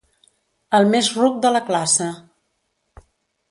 El més ruc de la classe.